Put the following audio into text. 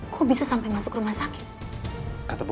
kok bisa sampai masuk rumah sakit